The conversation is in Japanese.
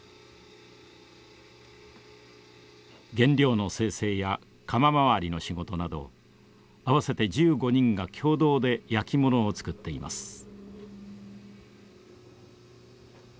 原料の精製や窯まわりの仕事などあわせて１５人が共同でやきものを作っています。